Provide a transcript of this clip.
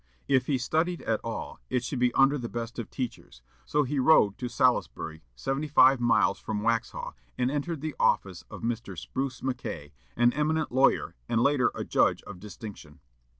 If he studied at all, it should be under the best of teachers; so he rode to Salisbury, seventy five miles from Waxhaw, and entered the office of Mr. Spruce McCay, an eminent lawyer, and later a judge of distinction.